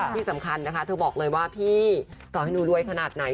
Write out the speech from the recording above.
ที่สำคัญนะคะเธอบอกเลยว่าพี่ต่อให้หนูรวยขนาดไหน